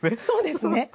そうですね。